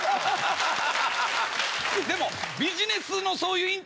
でも。